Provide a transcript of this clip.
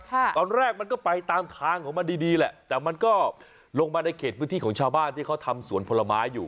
ตอนแรกมันก็ไปตามทางของมันดีดีแหละแต่มันก็ลงมาในเขตพื้นที่ของชาวบ้านที่เขาทำสวนผลไม้อยู่